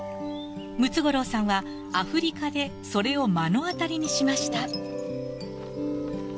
ムツゴロウさんはアフリカでそれを目の当たりにしました。